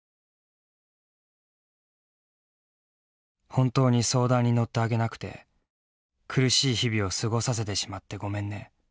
「本当に相談に乗ってあげなくて苦しい日々を過ごさせてしまってごめんね。